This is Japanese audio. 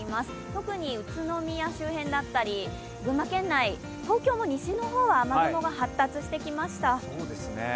特に宇都宮周辺だったり群馬県内、東京も西の方は雨雲が発達してきました。